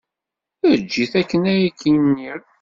Eg-it akken ay ak-nniɣ.